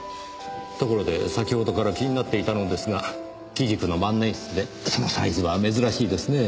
ところで先ほどから気になっていたのですが木軸の万年筆でそのサイズは珍しいですねぇ。